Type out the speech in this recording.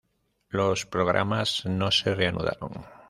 Los programas no se reanudaron.